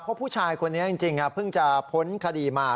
เพราะผู้ชายคนนี้จริงเพิ่งจะพ้นคดีมา